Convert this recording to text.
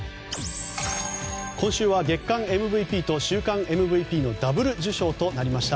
今週は月間ＭＶＰと週間ＭＶＰのダブル受賞となりました。